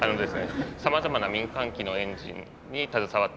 さまざまな民間機のエンジンに携わっております。